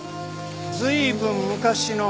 随分昔の。